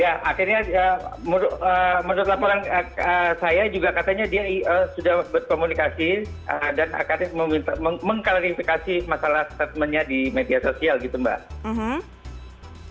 ya akhirnya menurut laporan saya juga katanya dia sudah berkomunikasi dan akhirnya mengklarifikasi masalah statementnya di media sosial gitu mbak